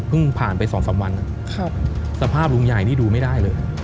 เพิ่งผ่านไปสองสามวันครับสภาพลุงใหญ่ที่ดูไม่ได้เลย